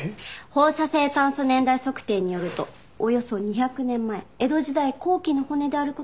放射性炭素年代測定によるとおよそ２００年前江戸時代後期の骨である事がわかりました。